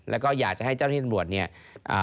แล้วก็อยากให้เจ้าหน้าที่จำรวจ